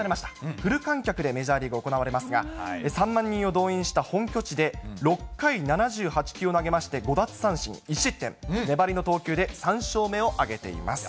フル観客でメジャーリーグ行われますが、３万人を動員した本拠地で６回７８球を投げまして、５奪三振２失点、粘りの投球で３勝目を挙げています。